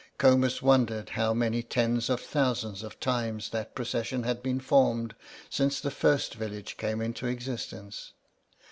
Comus wondered how many tens of thousands of times that procession had been formed since first the village came into existence.